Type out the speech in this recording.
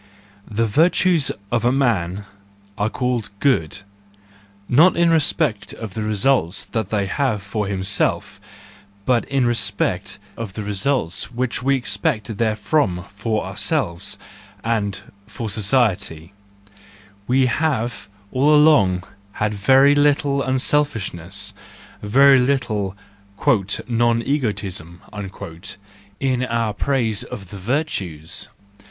— The virtues of a man are called goody not in respect of the results they have for himself, but in respect of the results which we expect therefrom for ourselves and for society:—we have all along had very little unselfish¬ ness, very little " non egoism " in our praise of the virtues